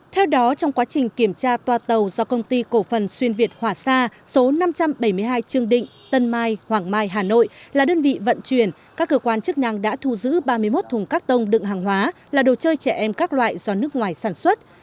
theo đó trong quá trình kiểm tra toa tàu do công ty cổ phần xuyên việt hòa xa số năm trăm bảy mươi hai trương định tân mai hoàng mai hà nội là đơn vị vận chuyển các cơ quan chức năng đã thu giữ ba mươi một thùng các tông đựng hàng hóa là đồ chơi trẻ em các loại do nước ngoài sản xuất